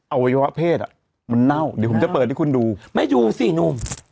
เอาไว้ว่าเพศอ่ะมันเน่าเดี๋ยวผมจะเปิดให้คุณดูไม่อยู่สินุ่ม